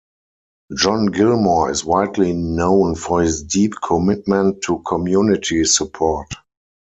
John Gilmore is widely known for his deep commitment to community support.